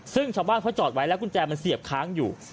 ซึ่งชาวบ้านเขาจอดไว้แล้วกุญแจมันเสียบค้างอยู่